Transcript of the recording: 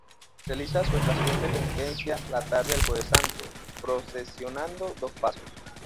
Realiza su estación de penitencia la tarde del Jueves Santo, procesionando dos pasos.